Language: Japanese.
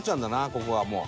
ここはもう。